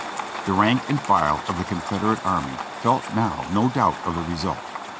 The rank and file of the Confederate army felt now no doubt of the result.